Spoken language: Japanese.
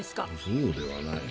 そうではない。